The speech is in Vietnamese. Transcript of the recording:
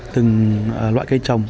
từng loại cây trồng